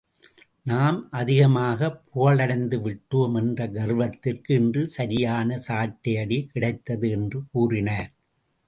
நாம் அதிகமாக புகழடைந்து விட்டோம் என்ற கர்வத்திற்கு இன்று சரியான சாட்டையடி கிடைத்தது என்று கூறினார்.